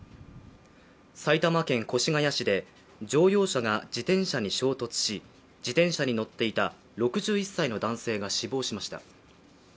埼玉県越谷市で乗用車が自転車に衝突し自転車に乗っていた６１歳の男性が死亡しました。